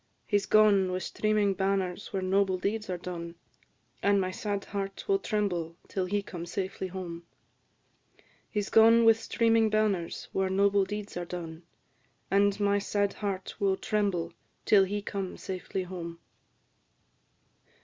"He 's gone, with streaming banners, where noble deeds are done, And my sad heart will tremble till he come safely home. He 's gone, with streaming banners, where noble deeds are done, And my sad heart will tremble till he come safely home."